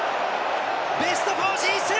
ベスト４進出！